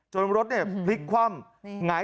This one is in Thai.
จนรถพลิกคว่ำ